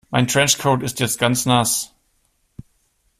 Mein Trenchcoat ist jetzt ganz nass.